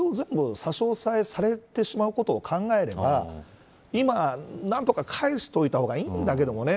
それを全部差し押さえされることを考えれば今、何とか返しておいた方がいいんだけどね。